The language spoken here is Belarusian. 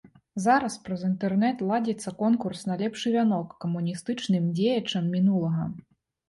Зараз праз інтэрнэт ладзіцца конкурс на лепшы вянок камуністычным дзеячам мінулага.